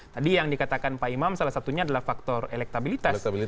tadi yang dikatakan pak imam salah satunya adalah faktor elektabilitas